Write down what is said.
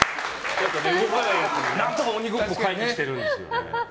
何とか鬼ごっこを回避してるんですよ。